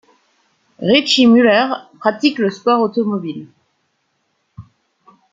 Richy Müller pratique le sport automobile.